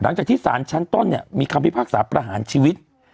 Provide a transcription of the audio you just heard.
หลังจากที่สารชั้นต้นเนี่ยมีคำพิพากษาประหารชีวิต